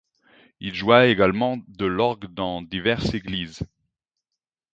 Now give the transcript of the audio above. Il joua également de l'orgue dans diverses églises.